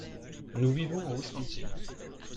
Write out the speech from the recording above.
Nous vivont au Wisconsin.